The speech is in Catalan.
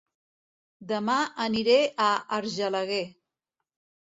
Dema aniré a Argelaguer